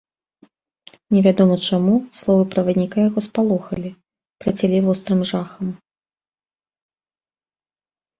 Невядома чаму, словы правадніка яго спалохалі, працялі вострым жахам.